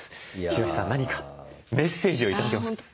ヒロシさん何かメッセージを頂けますか？